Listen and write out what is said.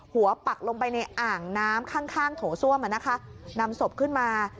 ปักลงไปในอ่างน้ำข้างข้างโถส้วมนำศพขึ้นมา